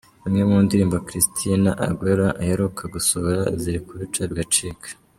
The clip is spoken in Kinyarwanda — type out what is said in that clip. Zimwe mu ndirimbo Christina Aguilera aheruka gusohora ziri kubica bigacika:.